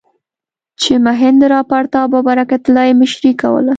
چې مهیندراپراتاپ او برکت الله یې مشري کوله.